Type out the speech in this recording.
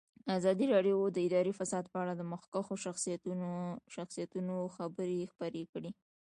ازادي راډیو د اداري فساد په اړه د مخکښو شخصیتونو خبرې خپرې کړي.